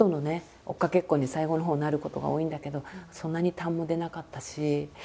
追っかけっこに最後のほうなることが多いんだけどそんなに痰も出なかったし。